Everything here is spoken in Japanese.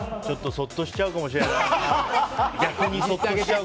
ちょっとそっとしちゃうかもしれないな。